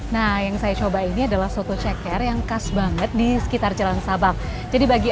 nah yang saya coba ini adalah soto ceker yang khas banget di sekitar jalan sabang jadi bagi